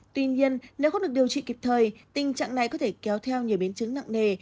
tuy nhiên nếu không được điều trị kịp thời tình trạng này có thể kéo theo nhiều biến chứng nặng nề